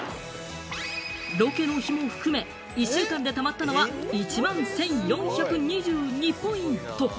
ロケの日も含め、１週間で貯まったのは１万１４２２ポイント。